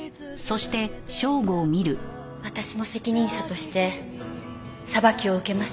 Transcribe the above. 私も責任者として裁きを受けます。